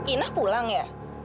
inah pulang ya